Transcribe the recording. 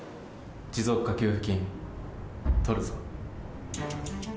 持続化給付金、取るぞ。